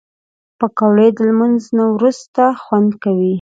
پکورې د لمونځ نه وروسته خوند کوي